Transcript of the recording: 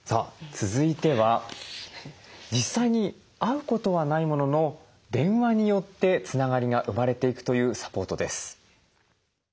続いては実際に会うことはないものの電話によってつながりが生まれていくというサポートです。